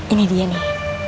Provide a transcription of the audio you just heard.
ini dia nih